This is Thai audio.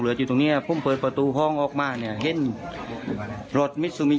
เสื้อตัวหนึ่งก็วิ่งตามรถไป